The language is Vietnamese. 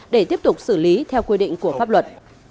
để tiếp tục xử lý theo quy định của pháp luật